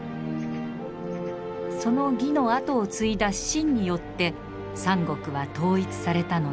その魏の後を継いだ晋によって三国は統一されたのです。